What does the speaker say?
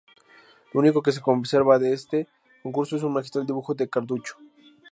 Lo único que se conserva de este concurso es un magistral dibujo de Carducho.